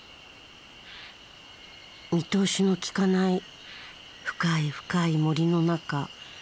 見通しのきかない深い深い森の中。